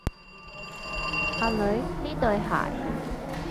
阿女，呢對鞋